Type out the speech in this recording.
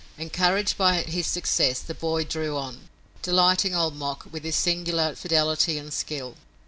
Encouraged by his success, the boy drew on, delighting Old Mok with his singular fidelity and skill.